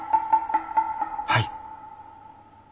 はい。